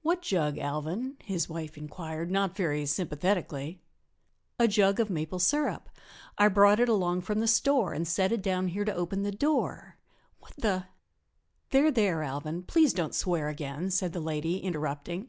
"What jug, Alvan?" his wife inquired, not very sympathetically. "A jug of maple sirup I brought it along from the store and set it down here to open the door. What the " "There, there, Alvan, please don't swear again," said the lady, interrupting.